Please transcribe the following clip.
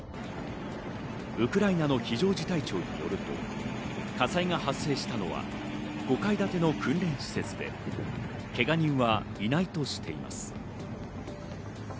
ウクライナの非常事態庁によると火災が発生したのは５階建ての訓練施設で、けが人はいないとしています。